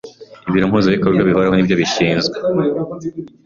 Ibiro Mpuzabikorwa Bihoraho ni byo bishinzwe